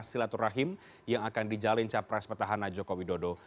silaturahim yang akan dijalin capres pertahanan jokowi dodo